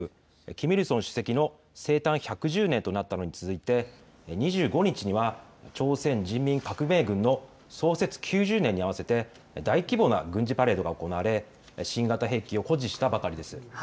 北朝鮮では先月１５日にキム・ジョンウン総書記の祖父、キム・イルソン主席の生誕１１０年となったのに続いて２５日には朝鮮人民革命軍の創設９０年に合わせて大規模な軍事パレードが行われ新型兵器を誇示したばかりです。